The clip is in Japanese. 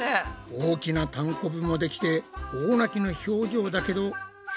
大きなたんこぶもできて大泣きの表情だけど評価は？